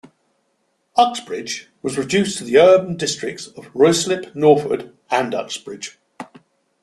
Uxbridge was reduced to the urban districts of Ruislip-Northwood and Uxbridge.